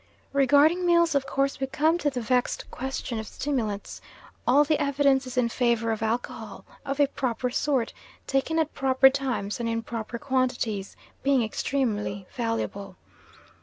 Regarding meals, of course we come to the vexed question of stimulants all the evidence is in favour of alcohol, of a proper sort, taken at proper times, and in proper quantities, being extremely valuable.